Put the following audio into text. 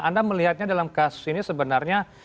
anda melihatnya dalam kasus ini sebenarnya